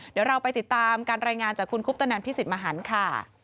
เดี๋ยวเราไปติดตามการรายงานจากคุณคุปตนันพิสิทธิมหันค่ะ